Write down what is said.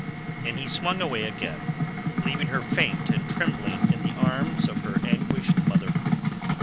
And he swung away again, leaving her faint and trembling in the arms of her anguished mother.